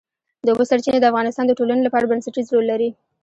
د اوبو سرچینې د افغانستان د ټولنې لپاره بنسټيز رول لري.